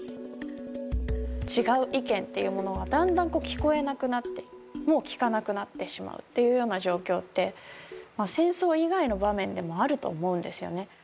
違う意見っていうものはだんだん聞こえなくなってもう聞かなくなってしまうっていうような状況って戦争以外の場面でもあると思うんですよね